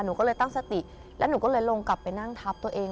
หนูก็เลยตั้งสติแล้วหนูก็เลยลงกลับไปนั่งทับตัวเอง